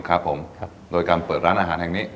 ธุรกิจเองครับผมโดยการเปิดร้านอาหารแห่งนี้